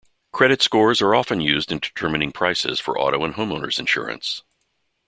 Credit scores are often used in determining prices for auto and homeowner's insurance.